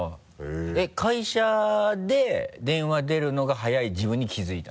えっ会社で電話出るのが速い自分に気づいた？